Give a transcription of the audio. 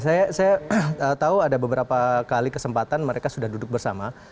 saya tahu ada beberapa kali kesempatan mereka sudah duduk bersama